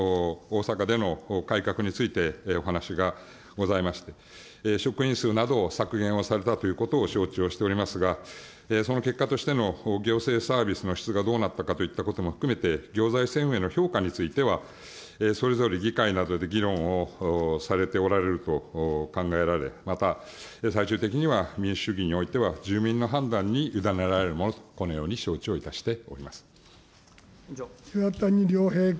その上で、ここまでの大阪での改革についてお話がございまして、職員数などを削減をされたということを承知をしておりますが、その結果としての行政サービスの質がどうなったかといってことも含めて、行財政運営の評価については、それぞれ議会などで議論をされておられると考えられ、また最終的には民主主義においては、住民の判断に委ねられるものと、こ岩谷良平君。